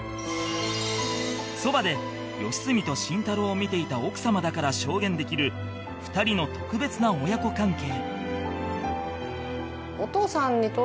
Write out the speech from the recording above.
そばで良純と慎太郎を見ていた奥様だから証言できる２人の特別な親子関係